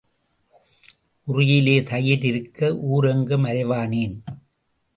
உறியிலே தயிர் இருக்க ஊர் எங்கும் அலைவானேன்?